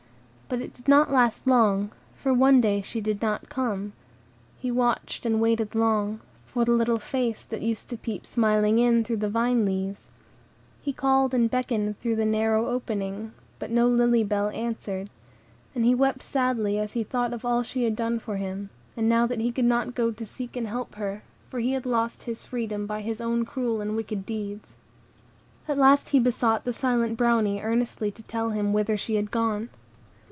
But it did not last long, for one day she did not come. He watched and waited long, for the little face that used to peep smiling in through the vine leaves. He called and beckoned through the narrow opening, but no Lily Bell answered; and he wept sadly as he thought of all she had done for him, and that now he could not go to seek and help her, for he had lost his freedom by his own cruel and wicked deeds. At last he besought the silent Brownie earnestly to tell him whither she had gone.